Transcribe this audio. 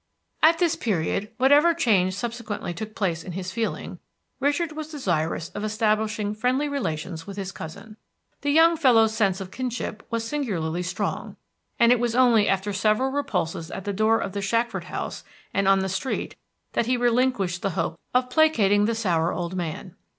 At this period, whatever change subsequently took place in his feeling, Richard was desirous of establishing friendly relations with his cousin. The young fellow's sense of kinship was singularly strong, and it was only after several repulses at the door of the Shackford house and on the street that he relinquished the hope of placating the sour old man.